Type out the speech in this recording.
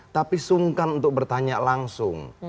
tapi sungkan untuk bertanya langsung